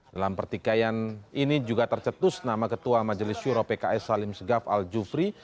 dalam pertikaian ini juga tercetus nama ketua majelis syuro pks salim segaf al jufri